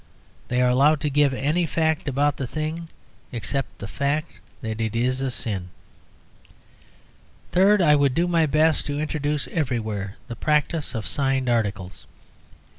They are allowed to give any fact about the thing except the fact that it is a sin. Third, I would do my best to introduce everywhere the practice of signed articles.